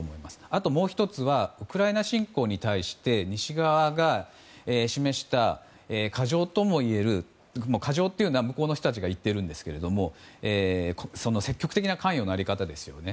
あともう１つはウクライナ侵攻に対して西側が示した過剰ともいえるまあ、過剰というのは向こうの人が言っていますが積極的な関与の在り方ですよね。